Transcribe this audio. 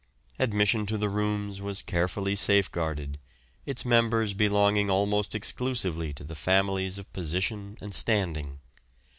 Admission to the rooms was carefully safeguarded, its members belonging almost exclusively to the families of position and standing.